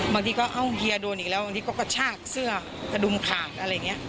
บางทีก็เอ้าเฮียโดนอีกแล้วบางทีก็กระชากเสื้อกระดุมขาดอะไรอย่างนี้